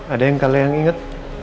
ada yang kalian inget